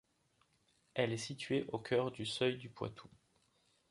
Elle est située au cœur du seuil du Poitou.